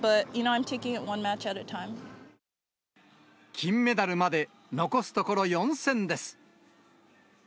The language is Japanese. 金メダルまで残すところ４戦です。